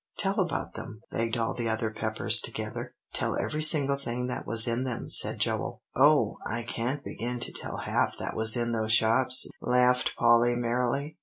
"Tell about them," begged all the other Peppers together. "Tell every single thing that was in them," said Joel. "Oh! I can't begin to tell half that was in those shops," laughed Polly merrily.